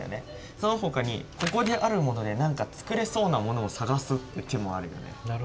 そのほかにここであるもので何か作れそうなものを探すっていう手もあるよね。